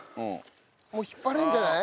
もう引っ張れるんじゃない？